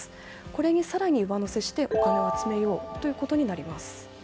これに更に上乗せしてお金を集めようとなります。